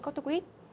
có thuốc ít